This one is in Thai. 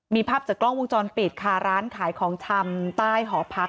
มีภาพจากกล้องวงจรปิดค่ะร้านขายของชำใต้หอพัก